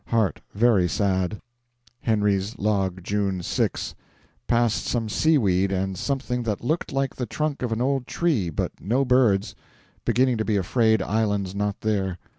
Heart very sad. Henry's Log, June 6. Passed some sea weed and something that looked like the trunk of an old tree, but no birds; beginning to be afraid islands not there.